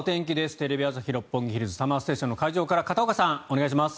テレビ朝日・六本木ヒルズＳＵＭＭＥＲＳＴＡＴＩＯＮの会場から片岡さんお願いします。